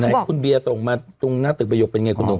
ไหนคุณเบียส่งมาตรงหน้าตึกบะหยกเป็นอย่างไรคุณหนู